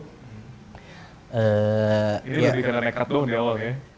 ini lebih karena nekat dulu di awal ya